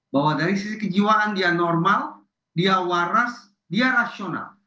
bahwa dari sisi kejiwaan dia normal dia waras dia rasional